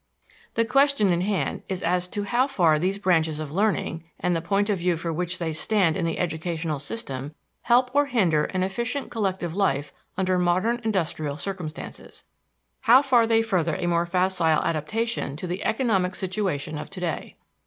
The question in hand is as to how far these branches of learning, and the point of view for which they stand in the educational system, help or hinder an efficient collective life under modern industrial circumstances how far they further a more facile adaptation to the economic situation of today.